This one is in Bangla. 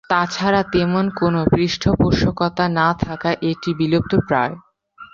তাছাড়া তেমন কোনো পৃষ্ঠপোষকতা না থাকায় এটি বিলুপ্তপ্রায়।